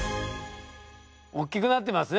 おっきくなってますね。